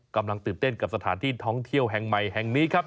กำลังตื่นเต้นกับสถานที่ท่องเที่ยวแห่งใหม่แห่งนี้ครับ